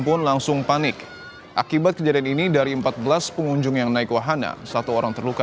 pun langsung panik akibat kejadian ini dari empat belas pengunjung yang naik wahana satu orang terluka